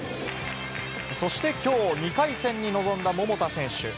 そしてきょう、２回戦に臨んだ桃田選手。